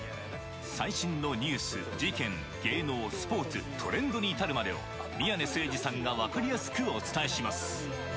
最新のニュース、事件、芸能、スポーツ、トレンドに至るまでを、宮根誠司さんが分かりやすくお伝えします。